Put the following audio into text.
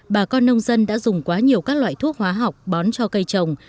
bà con nông dân đã dùng quá nhiều các loại thuốc hóa học bón cho cây trồng